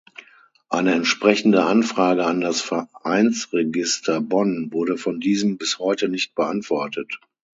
Eine entsprechende Anfrage an das Vereinsregister Bonn wurde von diesem bis heute nicht beantwortet.